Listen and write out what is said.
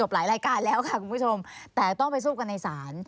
เพราะว่าโอนสิทธิ์อะไรโอนสุด